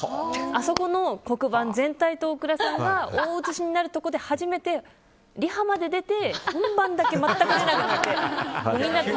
あそこの黒板全体と大倉さんが大映しになるところで初めてリハまで出て本番だけ全く出なくなって。